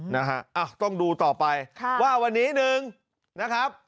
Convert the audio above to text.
นะฮะอ้าวต้องดูต่อไปค่ะว่าวันนี้หนึ่งนะครับ